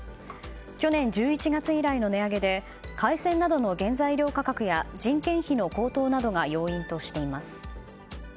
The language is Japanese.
去年１１月以来の値上げで海鮮などの原材料価格や人件費の高騰などが要因としています。